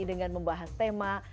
dengan membahas tema